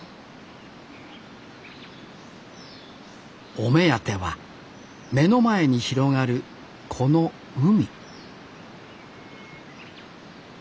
お目当ては目の前に広がるこの海